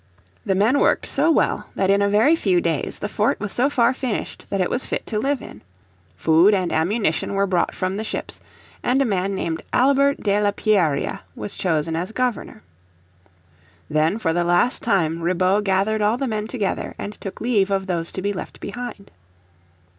The men worked so well that in a very few days the fort was so far finished that it was fit to live in. Food and ammunition were brought from the ships, and a man named Albert de la Pierria was chosen as Governor. Then for the last time Ribaut gathered all the men together and took leave of those to be left behind.